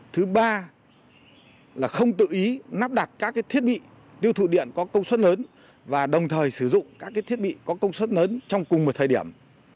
thứ ba là không tự ý nắp đặt các thiết bị tiêu thụ điện có công suất lớn và đồng thời sử dụng các thiết bị có công suất lớn trong cùng một thời điểm